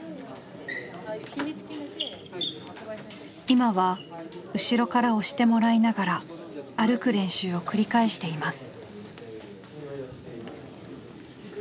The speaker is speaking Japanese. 今は後ろから押してもらいながら歩く練習を繰り返しています。